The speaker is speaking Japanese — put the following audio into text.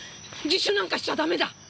自首なんかしちゃダメだ。